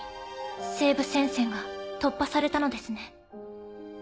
西部戦線が突破されたのですね。